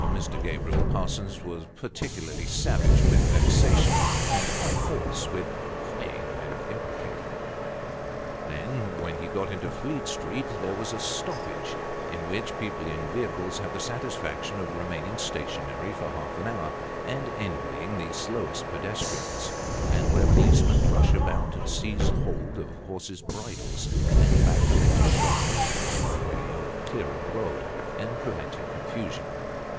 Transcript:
339 Mr. Gabriel Parsons was perfectly savage with vexation, and qnite hoarse with hoi ing and imprecating. Then, when he got into Fleet Street, there was " a stoppage," in which people in vehicles have the satisfaction of remaining stationary for half an hour, and envying the slowest pedestrians ; and where policemen rush about, and seize hold of horses' bridles, and back them into shop windows, by way of clearing the road and preventing confusion.